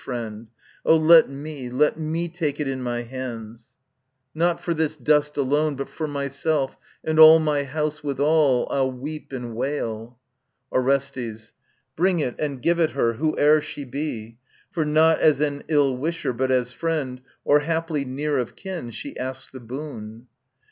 πώ a ΕΝ i μα μμ ΣΡ eli OE Bal a eee ELECTRA Not for this dust alone, but for myself And all my house withal, 11] weep and wail. ORESTES Bring it and give it her, whoe'er she be ; For not as an ill wisher, but as friend, _Or haply near of kin, she asks the boon.